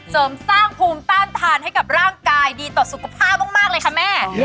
เสริมสร้างภูมิต้านทานให้กับร่างกายดีต่อสุขภาพมากเลยค่ะแม่